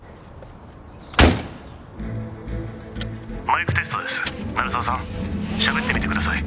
マイクテストです鳴沢さんしゃべってみてください